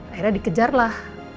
akhirnya dikejar lah